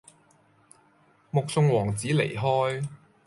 目送王子離開